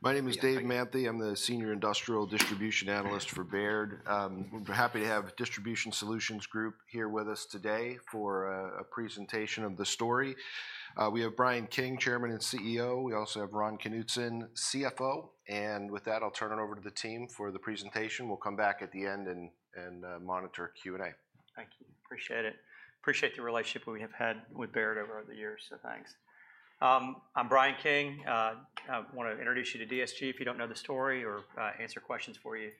My name is Dave Manthey. I'm the Senior Industrial Distribution Analyst for Baird. We're happy to have Distribution Solutions Group here with us today for a presentation of the story. We have Bryan King, Chairman and CEO. We also have Ron Knutson, CFO. And with that, I'll turn it over to the team for the presentation. We'll come back at the end and monitor Q&A. Thank you. Appreciate it. Appreciate the relationship we have had with Baird over the years, so thanks. I'm Bryan King. I want to introduce you to DSG, if you don't know the story, or answer questions for you.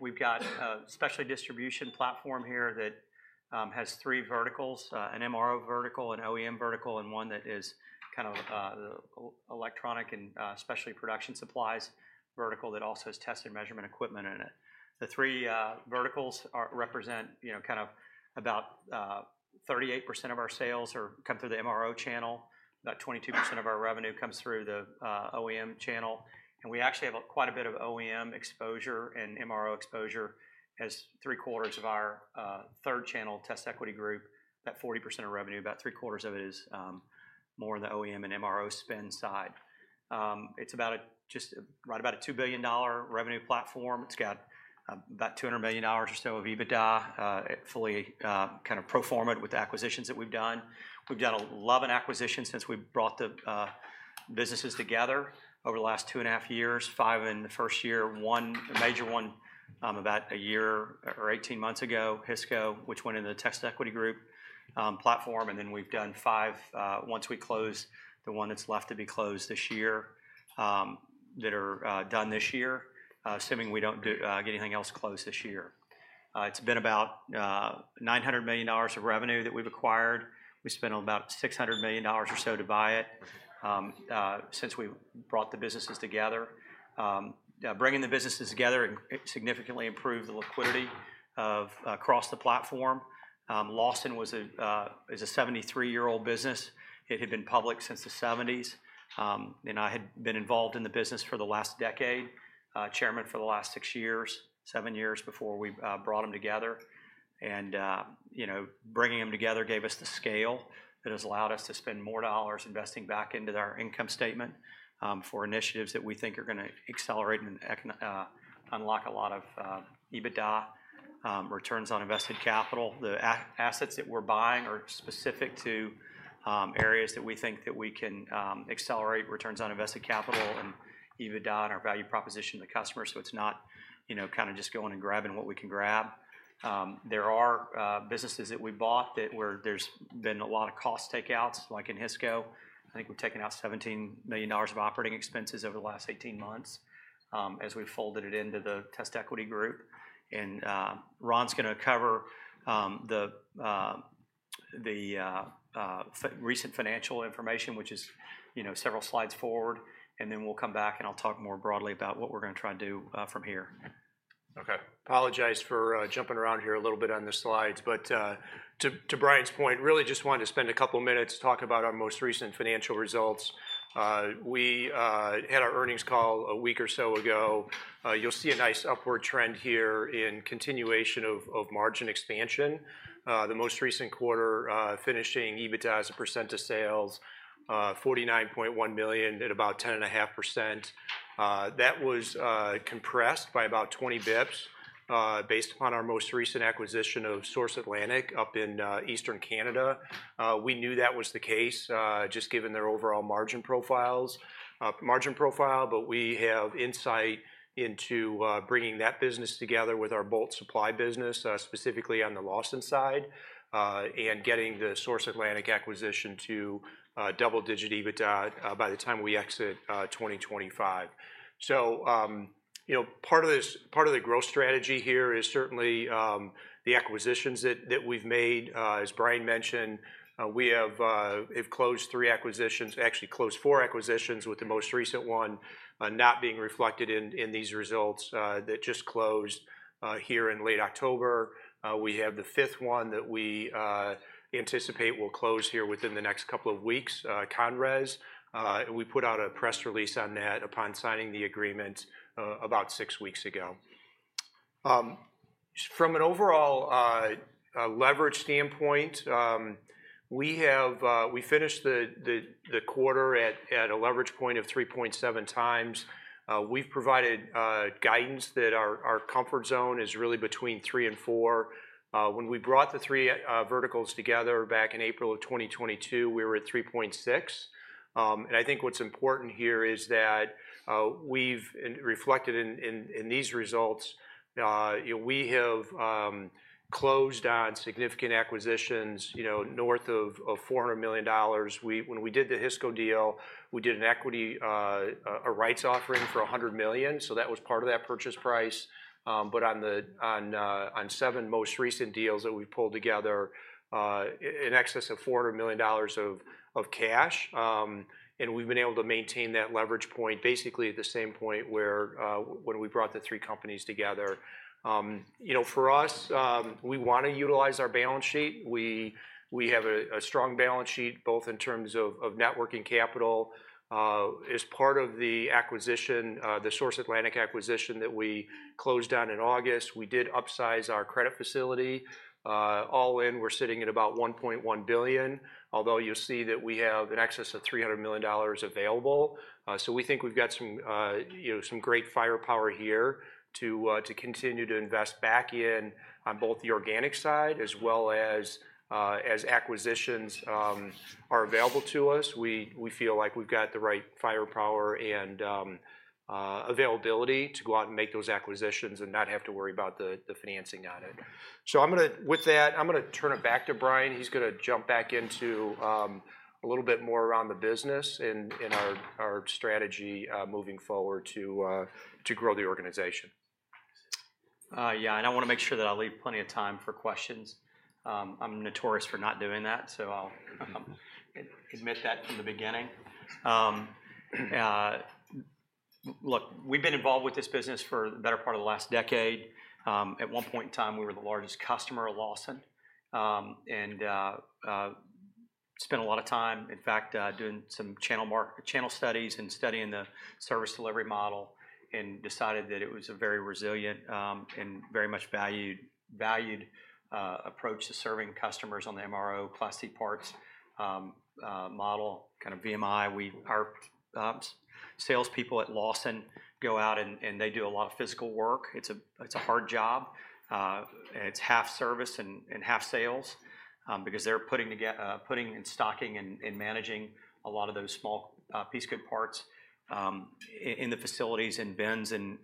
We've got a specialty distribution platform here that has three verticals: an MRO vertical, an OEM vertical, and one that is kind of electronic and specialty production supplies vertical that also has test and measurement equipment in it. The three verticals represent kind of about 38% of our sales come through the MRO channel. About 22% of our revenue comes through the OEM channel. And we actually have quite a bit of OEM exposure and MRO exposure as three-quarters of our third channel TestEquity Group, about 40% of revenue, about three-quarters of it is more on the OEM and MRO spend side. It's about just right about a $2 billion revenue platform. It's got about $200 million or so of EBITDA. It's fully kind of pro forma with the acquisitions that we've done. We've done 11 acquisitions since we brought the businesses together over the last two and a half years. Five in the first year. One major one about a year or 18 months ago, Hisco, which went into the TestEquity Group platform. And then we've done five once we closed the one that's left to be closed this year that are done this year, assuming we don't get anything else closed this year. It's been about $900 million of revenue that we've acquired. We spent about $600 million or so to buy it since we brought the businesses together. Bringing the businesses together significantly improved the liquidity across the platform. Lawson is a 73-year-old business. It had been public since the 1970s, and I had been involved in the business for the last decade, chairman for the last six years, seven years before we brought them together, and bringing them together gave us the scale that has allowed us to spend more dollars investing back into our income statement for initiatives that we think are going to accelerate and unlock a lot of EBITDA, returns on invested capital. The assets that we're buying are specific to areas that we think that we can accelerate returns on invested capital and EBITDA and our value proposition to the customer, so it's not kind of just going and grabbing what we can grab. There are businesses that we bought where there's been a lot of cost takeouts, like in Hisco. I think we've taken out $17 million of operating expenses over the last 18 months as we've folded it into the TestEquity Group. And Ron's going to cover the recent financial information, which is several slides forward. And then we'll come back and I'll talk more broadly about what we're going to try to do from here. Okay. Apologize for jumping around here a little bit on the slides. But to Bryan's point, really just wanted to spend a couple of minutes talking about our most recent financial results. We had our earnings call a week or so ago. You'll see a nice upward trend here in continuation of margin expansion. The most recent quarter finishing EBITDA as a percent of sales, $49.1 million at about 10.5%. That was compressed by about 20 basis points based upon our most recent acquisition of Source Atlantic up in Eastern Canada. We knew that was the case just given their overall margin profiles, but we have insight into bringing that business together with our bolt supply business, specifically on the Lawson side, and getting the Source Atlantic acquisition to double-digit EBITDA by the time we exit 2025. So part of the growth strategy here is certainly the acquisitions that we've made. As Bryan mentioned, we have closed three acquisitions, actually closed four acquisitions, with the most recent one not being reflected in these results that just closed here in late October. We have the fifth one that we anticipate will close here within the next couple of weeks, ConRes. We put out a press release on that upon signing the agreement about six weeks ago. From an overall leverage standpoint, we finished the quarter at a leverage point of 3.7 times. We've provided guidance that our comfort zone is really between three and four. When we brought the three verticals together back in April of 2022, we were at 3.6. And I think what's important here is that we've reflected in these results. We have closed on significant acquisitions north of $400 million. When we did the Hisco deal, we did an equity rights offering for $100 million, so that was part of that purchase price, but on seven most recent deals that we've pulled together, in excess of $400 million of cash, and we've been able to maintain that leverage point basically at the same point where when we brought the three companies together. For us, we want to utilize our balance sheet. We have a strong balance sheet both in terms of net working capital. As part of the acquisition, the Source Atlantic acquisition that we closed down in August, we did upsize our credit facility. All in, we're sitting at about $1.1 billion, although you'll see that we have in excess of $300 million available. So we think we've got some great firepower here to continue to invest back in on both the organic side as well as acquisitions are available to us. We feel like we've got the right firepower and availability to go out and make those acquisitions and not have to worry about the financing on it. So with that, I'm going to turn it back to Bryan. He's going to jump back into a little bit more around the business and our strategy moving forward to grow the organization. Yeah, and I want to make sure that I leave plenty of time for questions. I'm notorious for not doing that, so I'll admit that from the beginning. Look, we've been involved with this business for the better part of the last decade. At one point in time, we were the largest customer of Lawson and spent a lot of time, in fact, doing some channel studies and studying the service delivery model and decided that it was a very resilient and very much valued approach to serving customers on the MRO Class C parts model, kind of VMI. Our salespeople at Lawson go out and they do a lot of physical work. It's a hard job. It's half service and half sales because they're putting and stocking and managing a lot of those small piece good parts in the facilities and bins and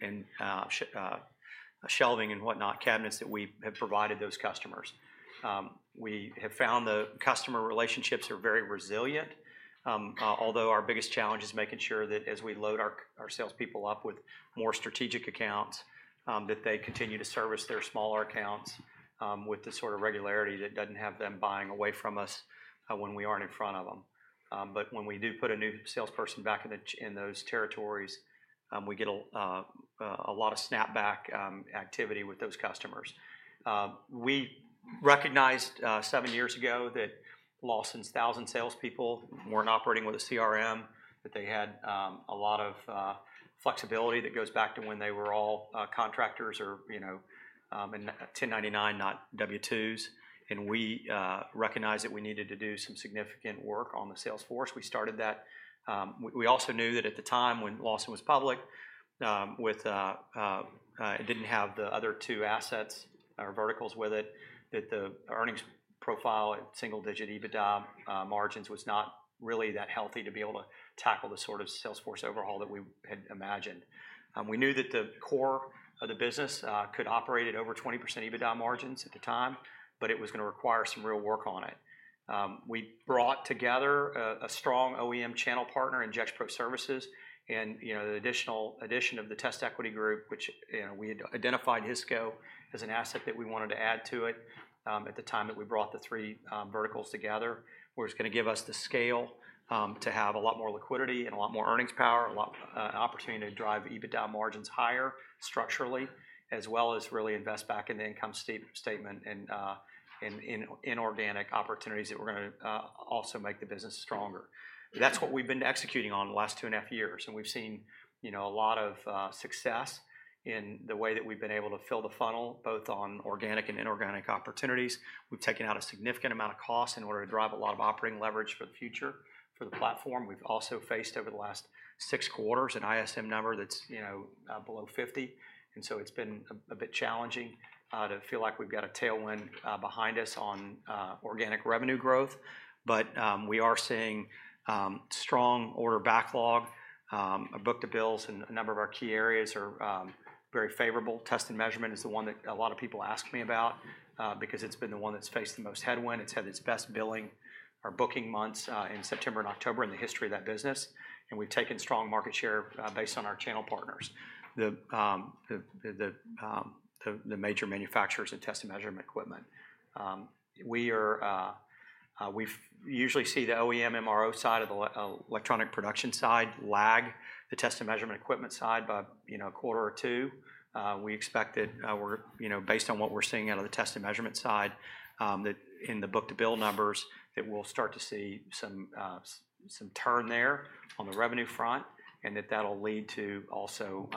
shelving and whatnot, cabinets that we have provided those customers. We have found the customer relationships are very resilient, although our biggest challenge is making sure that as we load our salespeople up with more strategic accounts, that they continue to service their smaller accounts with the sort of regularity that doesn't have them buying away from us when we aren't in front of them. But when we do put a new salesperson back in those territories, we get a lot of snapback activity with those customers. We recognized seven years ago that Lawson's thousand salespeople weren't operating with a CRM, that they had a lot of flexibility that goes back to when they were all contractors or 1099, not W-2s. And we recognized that we needed to do some significant work on the sales force. We started that. We also knew that at the time when Lawson was public, it didn't have the other two assets or verticals with it, that the earnings profile at single-digit EBITDA margins was not really that healthy to be able to tackle the sort of sales force overhaul that we had imagined. We knew that the core of the business could operate at over 20% EBITDA margins at the time, but it was going to require some real work on it. We brought together a strong OEM channel partner in Gexpro Services and the addition of the TestEquity Group, which we had identified Hisco as an asset that we wanted to add to it at the time that we brought the three verticals together, where it was going to give us the scale to have a lot more liquidity and a lot more earnings power, a lot of opportunity to drive EBITDA margins higher structurally, as well as really invest back in the income statement and inorganic opportunities that were going to also make the business stronger. That's what we've been executing on the last two and a half years. And we've seen a lot of success in the way that we've been able to fill the funnel, both on organic and inorganic opportunities. We've taken out a significant amount of cost in order to drive a lot of operating leverage for the future for the platform. We've also faced over the last six quarters an ISM number that's below 50, and so it's been a bit challenging to feel like we've got a tailwind behind us on organic revenue growth. But we are seeing strong order backlog, a book-to-bill, and a number of our key areas are very favorable. Test and measurement is the one that a lot of people ask me about because it's been the one that's faced the most headwind. It's had its best billing or booking months in September and October in the history of that business, and we've taken strong market share based on our channel partners, the major manufacturers and test and measurement equipment. We usually see the OEM, MRO side of the electronic production side lag the test and measurement equipment side by a quarter or two. We expect that based on what we're seeing out of the test and measurement side in the book-to-bill numbers, that we'll start to see some turn there on the revenue front and that that'll lead to also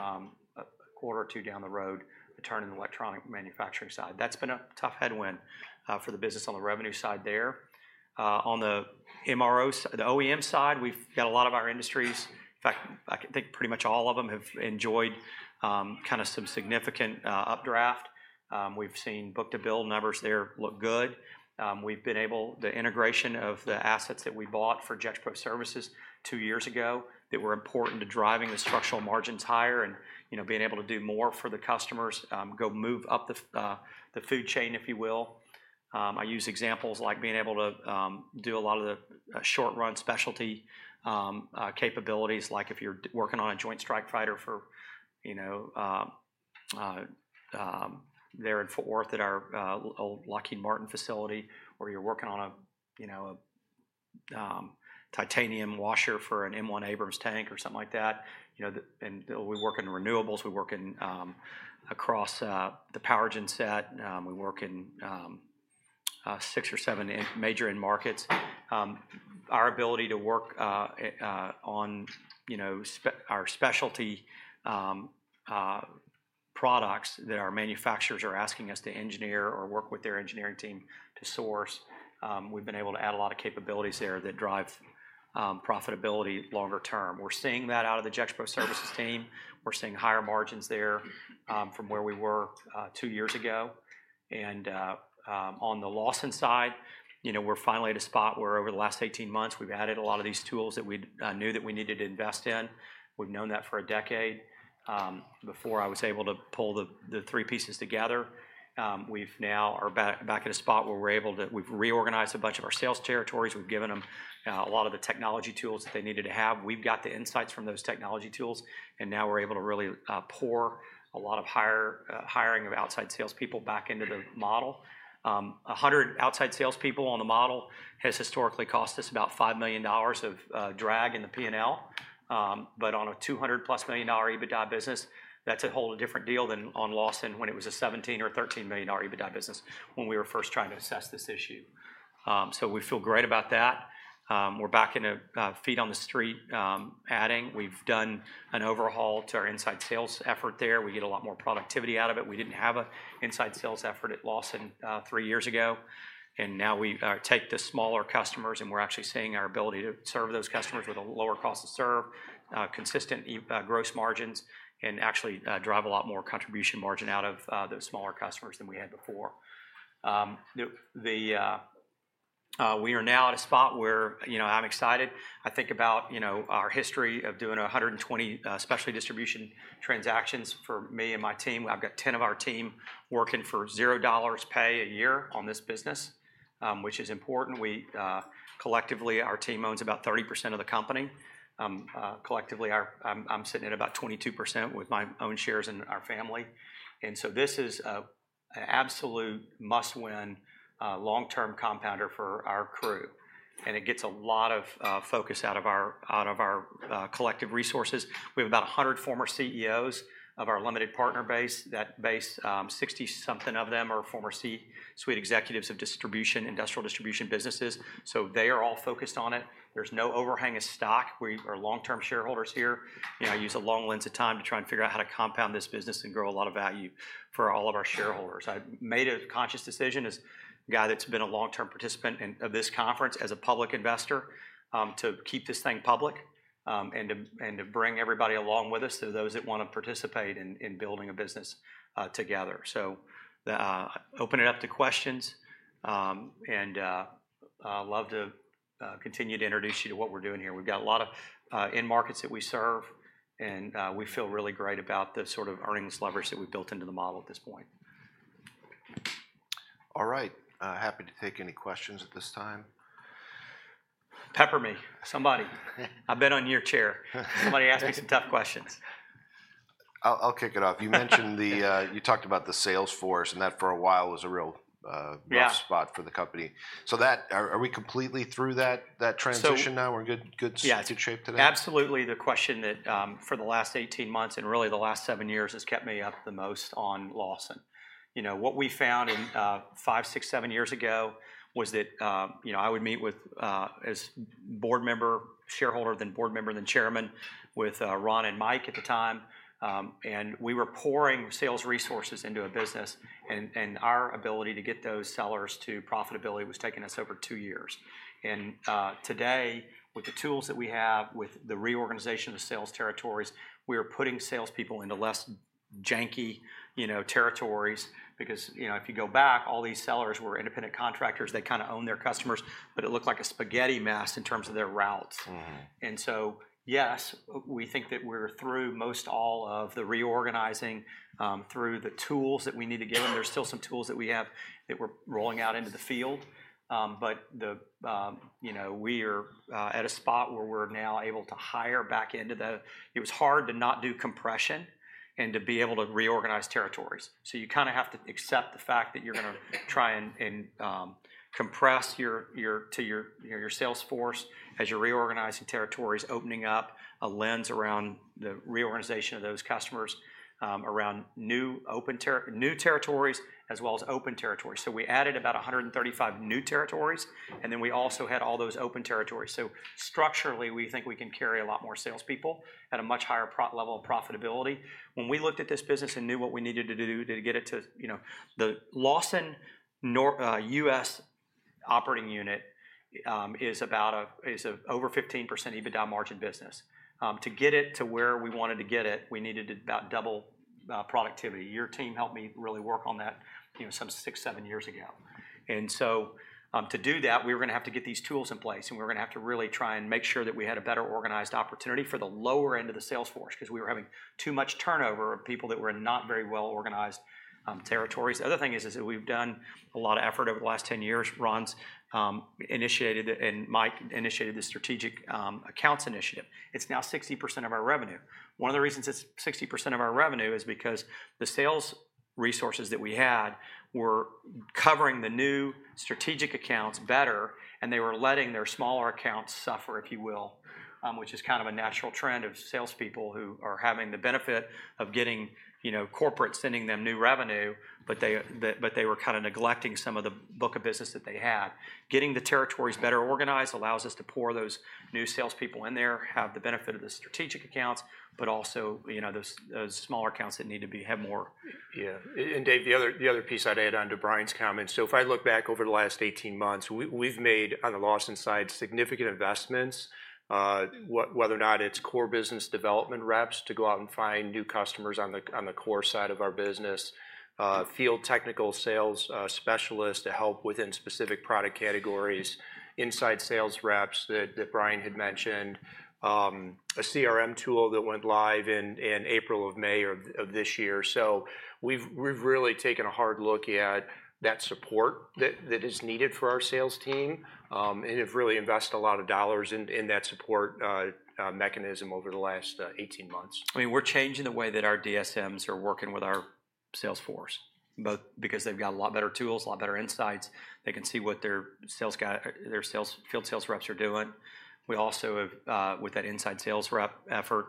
a quarter or two down the road, a turn in the electronic manufacturing side. That's been a tough headwind for the business on the revenue side there. On the MRO, the OEM side, we've got a lot of our industries, in fact, I think pretty much all of them have enjoyed kind of some significant updraft. We've seen book-to-bill numbers there look good. We've been able to integrate the assets that we bought for Gexpro Services two years ago that were important to driving the structural margins higher and being able to do more for the customers, go move up the food chain, if you will. I use examples like being able to do a lot of the short-run specialty capabilities, like if you're working on a Joint Strike Fighter there in Fort Worth at our old Lockheed Martin facility, or you're working on a titanium washer for an M1 Abrams tank or something like that. And we work in renewables. We work across the power gen set. We work in six or seven major end markets. Our ability to work on our specialty products that our manufacturers are asking us to engineer or work with their engineering team to source, we've been able to add a lot of capabilities there that drive profitability longer term. We're seeing that out of the Gexpro Services team. We're seeing higher margins there from where we were two years ago. And on the Lawson side, we're finally at a spot where over the last 18 months, we've added a lot of these tools that we knew that we needed to invest in. We've known that for a decade before I was able to pull the three pieces together. We've now are back at a spot where we're able to reorganize a bunch of our sales territories. We've given them a lot of the technology tools that they needed to have. We've got the insights from those technology tools, and now we're able to really pour a lot of hiring of outside salespeople back into the model. 100 outside salespeople on the model has historically cost us about $5 million of drag in the P&L. But on a $200-plus million EBITDA business, that's a whole different deal than on Lawson when it was a $17 or $13 million EBITDA business when we were first trying to assess this issue. So we feel great about that. We're back in a feet on the street adding. We've done an overhaul to our inside sales effort there. We get a lot more productivity out of it. We didn't have an inside sales effort at Lawson three years ago. And now we take the smaller customers, and we're actually seeing our ability to serve those customers with a lower cost to serve, consistent gross margins, and actually drive a lot more contribution margin out of those smaller customers than we had before. We are now at a spot where I'm excited. I think about our history of doing 120 specialty distribution transactions for me and my team. I've got 10 of our team working for $0 pay a year on this business, which is important. Collectively, our team owns about 30% of the company. Collectively, I'm sitting at about 22% with my own shares and our family. And so this is an absolute must-win long-term compounder for our crew. And it gets a lot of focus out of our collective resources. We have about 100 former CEOs of our limited partner base. That base, 60-something of them are former C-suite executives of distribution, industrial distribution businesses. So they are all focused on it. There's no overhang of stock. We are long-term shareholders here. I use a long lens of time to try and figure out how to compound this business and grow a lot of value for all of our shareholders. I made a conscious decision as a guy that's been a long-term participant of this conference as a public investor to keep this thing public and to bring everybody along with us, those that want to participate in building a business together. So, open it up to questions, and I'd love to continue to introduce you to what we're doing here. We've got a lot of end markets that we serve, and we feel really great about the sort of earnings leverage that we've built into the model at this point. All right. Happy to take any questions at this time. Pepper me, somebody. I've been on your chair. Somebody, ask me some tough questions. I'll kick it off. You talked about the sales force, and that for a while was a real rough spot for the company. So are we completely through that transition now? We're in good shape today? Yeah. Absolutely. The question that, for the last 18 months and really the last seven years, has kept me up the most on Lawson. What we found five, six, seven years ago was that I would meet with, as board member, shareholder, then board member, then chairman, with Ron and Mike at the time, and we were pouring sales resources into a business, and our ability to get those sellers to profitability was taking us over two years, and today, with the tools that we have, with the reorganization of sales territories, we are putting salespeople into less janky territories because if you go back, all these sellers were independent contractors. They kind of owned their customers, but it looked like a spaghetti mess in terms of their routes. Yes, we think that we're through most all of the reorganizing through the tools that we need to give them. There's still some tools that we have that we're rolling out into the field. We are at a spot where we're now able to hire back into it. It was hard to not do compression and to be able to reorganize territories. You kind of have to accept the fact that you're going to try and compress your sales force as you're reorganizing territories, opening up alliances around the reorganization of those customers, around new territories as well as open territories. We added about 135 new territories, and then we also had all those open territories. Structurally, we think we can carry a lot more salespeople at a much higher level of profitability. When we looked at this business and knew what we needed to do to get it to the Lawson US operating unit, it is about over 15% EBITDA margin business. To get it to where we wanted to get it, we needed about double productivity. Your team helped me really work on that some six, seven years ago. And so to do that, we were going to have to get these tools in place, and we were going to have to really try and make sure that we had a better organized opportunity for the lower end of the sales force because we were having too much turnover of people that were not very well organized territories. The other thing is that we've done a lot of effort over the last 10 years. Ron's initiated and Mike initiated the strategic accounts initiative. It's now 60% of our revenue. One of the reasons it's 60% of our revenue is because the sales resources that we had were covering the new strategic accounts better, and they were letting their smaller accounts suffer, if you will, which is kind of a natural trend of salespeople who are having the benefit of getting corporate sending them new revenue, but they were kind of neglecting some of the book of business that they had. Getting the territories better organized allows us to pour those new salespeople in there, have the benefit of the strategic accounts, but also those smaller accounts that need to have more. Yeah. And, Dave, the other piece I'd add on to Bryan's comments. So if I look back over the last 18 months, we've made on the Lawson side significant investments, whether or not it's core business development reps to go out and find new customers on the core side of our business, field technical sales specialists to help within specific product categories, inside sales reps that Bryan had mentioned, a CRM tool that went live in April or May of this year. So we've really taken a hard look at that support that is needed for our sales team and have really invested a lot of dollars in that support mechanism over the last 18 months. I mean, we're changing the way that our DSMs are working with our sales force, both because they've got a lot better tools, a lot better insights. They can see what their field sales reps are doing. We also, with that inside sales rep effort,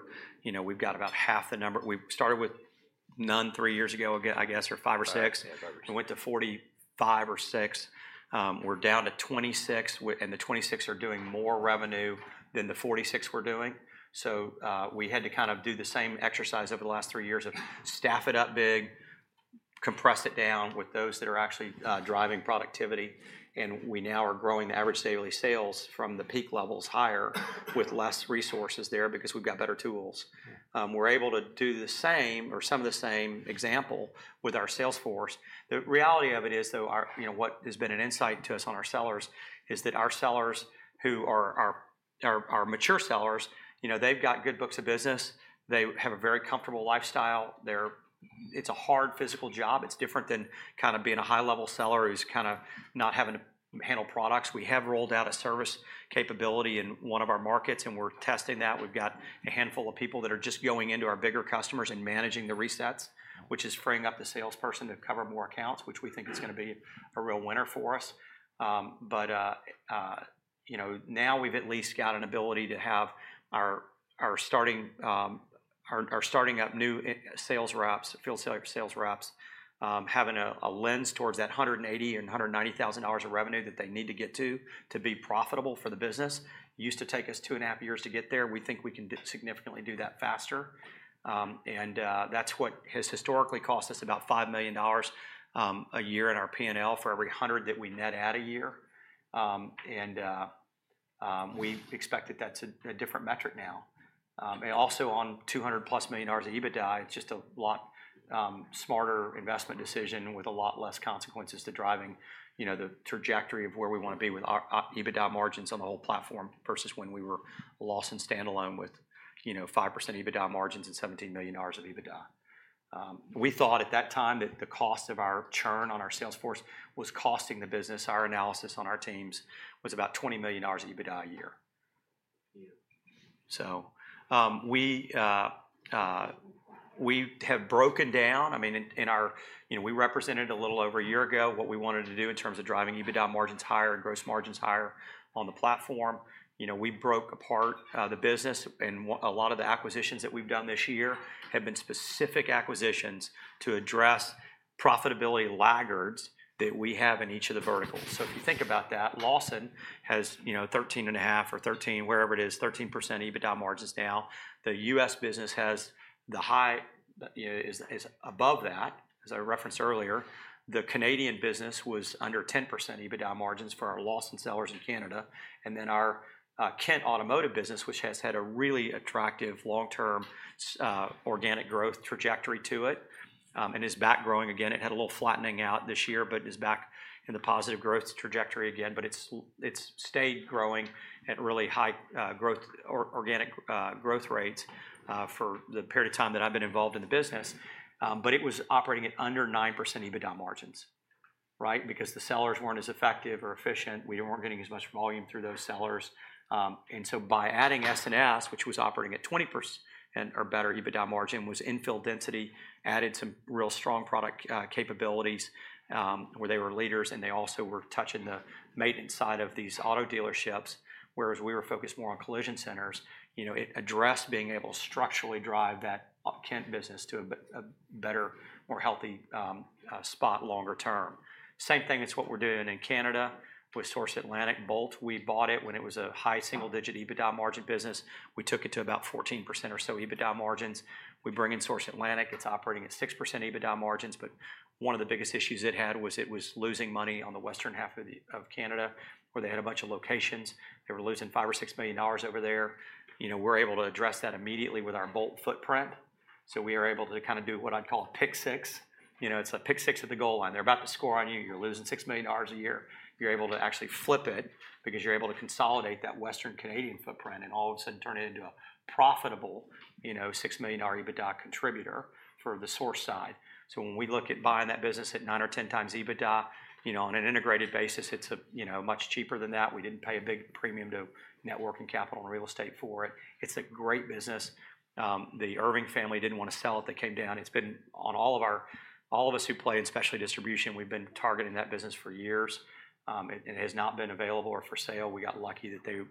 we've got about half the number. We started with none three years ago, I guess, or five or six. We went to 45 or 46. We're down to 26, and the 26 are doing more revenue than the 46 we're doing. So we had to kind of do the same exercise over the last three years of staff it up big, compress it down with those that are actually driving productivity. And we now are growing the average daily sales from the peak levels higher with less resources there because we've got better tools. We're able to do the same or some of the same example with our sales force. The reality of it is, though, what has been an insight to us on our sellers is that our sellers, who are mature sellers, they've got good books of business. They have a very comfortable lifestyle. It's a hard physical job. It's different than kind of being a high-level seller who's kind of not having to handle products. We have rolled out a service capability in one of our markets, and we're testing that. We've got a handful of people that are just going into our bigger customers and managing the resets, which is freeing up the salesperson to cover more accounts, which we think is going to be a real winner for us. But now we've at least got an ability to have our starting up new sales reps, field sales reps, having a lens towards that $180,000 and $190,000 of revenue that they need to get to to be profitable for the business. Used to take us two and a half years to get there. We think we can significantly do that faster. And that's what has historically cost us about $5 million a year in our P&L for every 100 that we net out a year. And we expect that that's a different metric now. Also on $200-plus million of EBITDA, it's just a lot smarter investment decision with a lot less consequences to driving the trajectory of where we want to be with our EBITDA margins on the whole platform versus when we were Lawson standalone with 5% EBITDA margins and $17 million of EBITDA. We thought at that time that the cost of our churn on our sales force was costing the business. Our analysis on our teams was about $20 million of EBITDA a year, so we have broken down. I mean, we represented a little over a year ago what we wanted to do in terms of driving EBITDA margins higher and gross margins higher on the platform. We broke apart the business, and a lot of the acquisitions that we've done this year have been specific acquisitions to address profitability laggards that we have in each of the verticals. So if you think about that, Lawson has 13 and a half or 13, wherever it is, 13% EBITDA margins now. The U.S. business has the high is above that, as I referenced earlier. The Canadian business was under 10% EBITDA margins for our Lawson sellers in Canada. And then our Kent Automotive business, which has had a really attractive long-term organic growth trajectory to it and is back growing again. It had a little flattening out this year, but is back in the positive growth trajectory again. But it's stayed growing at really high organic growth rates for the period of time that I've been involved in the business. But it was operating at under 9% EBITDA margins, right? Because the sellers weren't as effective or efficient. We weren't getting as much volume through those sellers. And so by adding S&S, which was operating at 20% or better EBITDA margin, was infill density, added some real strong product capabilities where they were leaders, and they also were touching the maintenance side of these auto dealerships. Whereas we were focused more on collision centers, it addressed being able to structurally drive that Kent business to a better, more healthy spot longer term. Same thing is what we're doing in Canada. With Source Atlantic and Bolt, we bought it when it was a high single-digit EBITDA margin business. We took it to about 14% or so EBITDA margins. We bring in Source Atlantic. It's operating at 6% EBITDA margins. One of the biggest issues it had was it was losing money on the Western half of Canada where they had a bunch of locations. They were losing $5-$6 million over there. We're able to address that immediately with our Bolt footprint. So we are able to kind of do what I'd call a pick six. It's a pick six at the goal line. They're about to score on you. You're losing $6 million a year. You're able to actually flip it because you're able to consolidate that Western Canadian footprint and all of a sudden turn it into a profitable $6 million EBITDA contributor for the Source side. So when we look at buying that business at nine or 10 times EBITDA on an integrated basis, it's much cheaper than that. We didn't pay a big premium to net working capital and real estate for it. It's a great business. The Irving family didn't want to sell it. They came down. It's been on all of us who play in specialty distribution. We've been targeting that business for years. It has not been available or for sale. We got lucky that they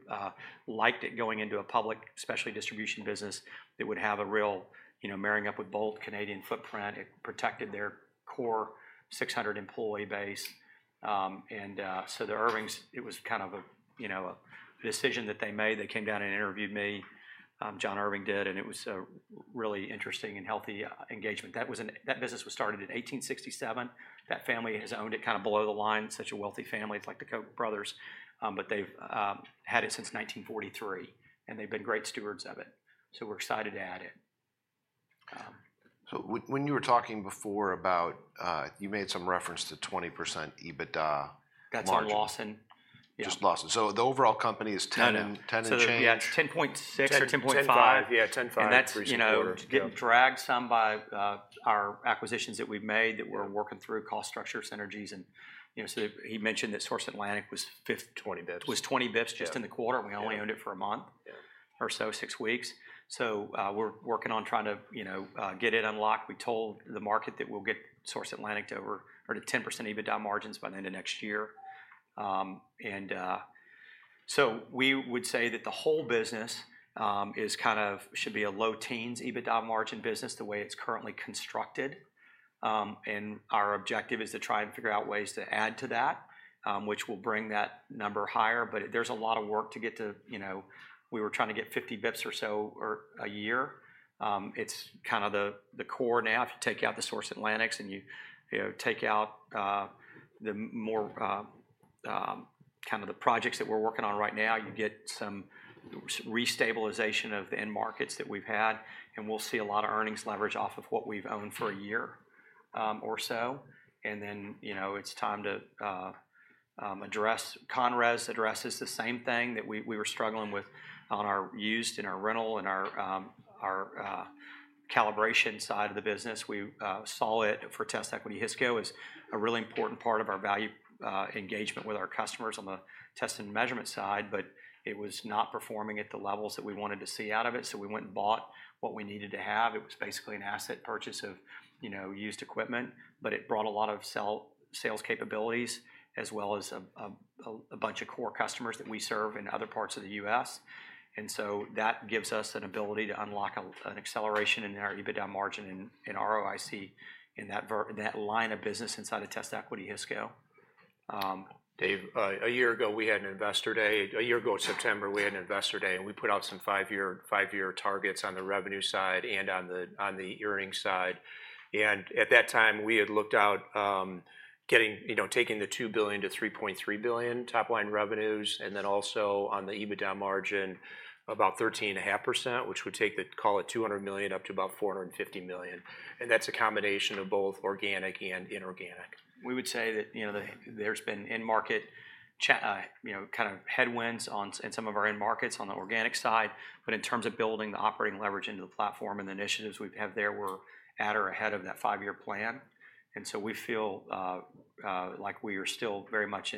liked it going into a public specialty distribution business that would have a real marrying up with Bolt Canadian footprint. It protected their core 600 employee base, and so the Irvings, it was kind of a decision that they made. They came down and interviewed me. John Irving did, and it was a really interesting and healthy engagement. That business was started in 1867. That family has owned it kind of below the line. It's such a wealthy family. It's like the Koch brothers, but they've had it since 1943, and they've been great stewards of it, so we're excited to add it. So when you were talking before about you made some reference to 20% EBITDA margin. That's on Lawson. Yeah. Just Lawson. So the overall company is 10 and change. Yeah. It's 10.6 or 10.5. 10.5. Yeah. 10.5. That's getting dragged some by our acquisitions that we've made that we're working through cost structure synergies. He mentioned that Source Atlantic was 20 basis points just in the quarter, and we only owned it for a month or so, six weeks. We're working on trying to get it unlocked. We told the market that we'll get Source Atlantic to over 10% EBITDA margins by the end of next year. We would say that the whole business should be a low teens EBITDA margin business the way it's currently constructed. Our objective is to try and figure out ways to add to that, which will bring that number higher. There's a lot of work to get to. We were trying to get 50 basis points or so a year. It's kind of the core now. If you take out the Source Atlantic and you take out the more kind of the projects that we're working on right now, you get some restabilization of the end markets that we've had. And we'll see a lot of earnings leverage off of what we've owned for a year or so. And then it's time to address. ConRes addresses the same thing that we were struggling with on our used and our rental and our calibration side of the business. We saw it for TestEquity Hisco as a really important part of our value engagement with our customers on the test and measurement side, but it was not performing at the levels that we wanted to see out of it. So we went and bought what we needed to have. It was basically an asset purchase of used equipment, but it brought a lot of sales capabilities as well as a bunch of core customers that we serve in other parts of the U.S., and so that gives us an ability to unlock an acceleration in our EBITDA margin and ROIC in that line of business inside of TestEquity Hisco. Dave, a year ago, we had an investor day. A year ago in September, we had an investor day, and we put out some five-year targets on the revenue side and on the earnings side. And at that time, we had looked out taking the $2 billion-$3.3 billion top-line revenues and then also on the EBITDA margin, about 13.5%, which would take EBITDA at $200 million up to about $450 million. And that's a combination of both organic and inorganic. We would say that there's been in-market kind of headwinds in some of our in-markets on the organic side. But in terms of building the operating leverage into the platform and the initiatives we have there, we're at or ahead of that five-year plan. And so we feel like we are still very much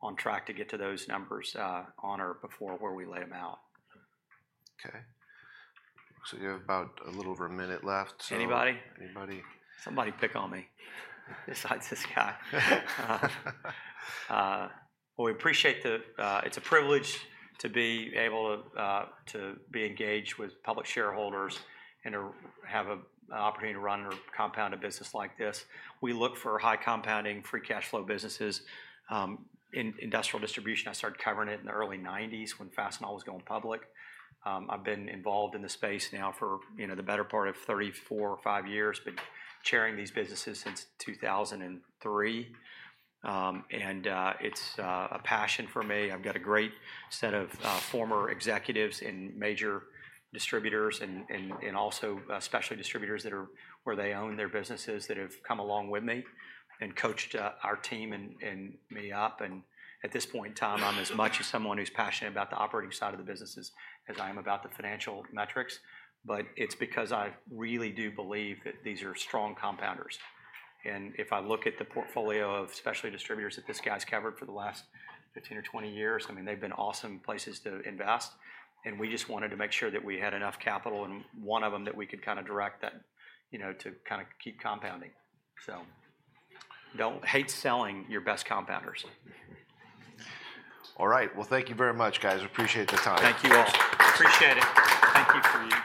on track to get to those numbers on or before where we lay them out. Okay. So you have about a little over a minute left. Anybody? Anybody. Somebody pick on me besides this guy. Well, we appreciate that it's a privilege to be able to be engaged with public shareholders and to have an opportunity to run a compounded business like this. We look for high compounding, free cash flow businesses. Industrial distribution. I started covering it in the early 1990s when Fastenal was going public. I've been involved in the space now for the better part of 34 or 35 years, been chairing these businesses since 2003, and it's a passion for me. I've got a great set of former executives and major distributors and also specialty distributors where they own their businesses that have come along with me and coached our team and me up, and at this point in time, I'm as much as someone who's passionate about the operating side of the businesses as I am about the financial metrics. But it's because I really do believe that these are strong compounders. And if I look at the portfolio of specialty distributors that this guy's covered for the last 15 or 20 years, I mean, they've been awesome places to invest. And we just wanted to make sure that we had enough capital in one of them that we could kind of direct that to kind of keep compounding. So don't hate selling your best compounders. All right. Well, thank you very much, guys. Appreciate the time. Thank you all. Appreciate it. Thank you for you.